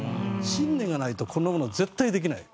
信念がないとこんなもの絶対できない。